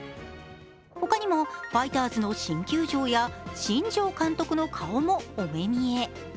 他にもファイターズの新球場や新庄監督の顔もお目見え。